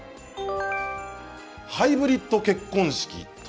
ハイブリッド結婚式。